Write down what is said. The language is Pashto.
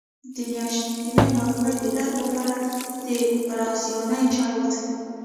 د میاشتنۍ ناروغۍ درد لپاره د رازیانې چای وڅښئ